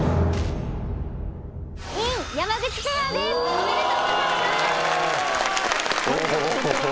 おめでとうございます